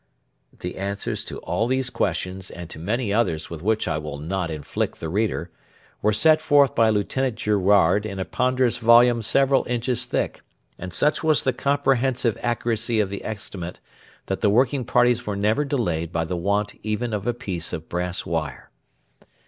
The answers to all these questions, and to many others with which I will not inflict the reader, were set forth by Lieutenant Girouard in a ponderous volume several inches thick; and such was the comprehensive accuracy of the estimate that the working parties were never delayed by the want even of a piece of brass wire.